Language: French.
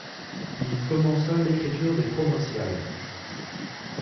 Il y commença l’écriture des Provinciales.